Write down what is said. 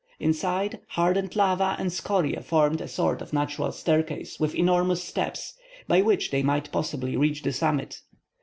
Inside, hardened lava and scoriæ formed a sort of natural staircase with enormous steps, by which they might possibly reach the summit.